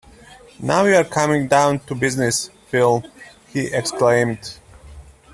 Now you're coming down to business, Phil, he exclaimed.